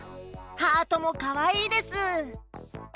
ハートもかわいいです。